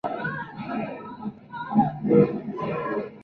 No tiene ninguna normativa generalmente aceptada y no esta regulado.